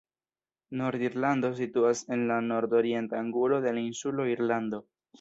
Nord-Irlando situas en la nord-orienta angulo de la insulo Irlando.